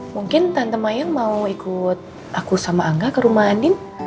mungkin tante mayang mau ikut aku sama angga ke rumah andin